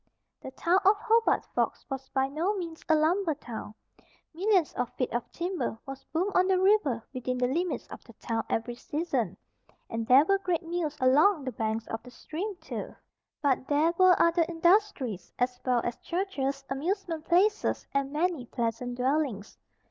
The town of Hobart Forks was by no means a lumber town. Millions of feet of timber was boomed on the river within the limits of the town every season, and there were great mills along the banks of the stream, too. But there were other industries, as well as churches, amusement places and many pleasant dwellings.